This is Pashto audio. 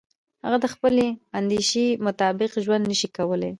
هغه د خپلې اندیشې مطابق ژوند نشي کولای.